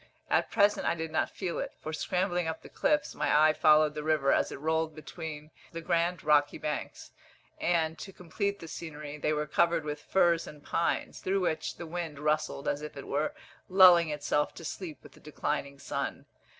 At present I did not feel it, for, scrambling up the cliffs, my eye followed the river as it rolled between the grand rocky banks; and, to complete the scenery, they were covered with firs and pines, through which the wind rustled as if it were lulling itself to sleep with the declining sun.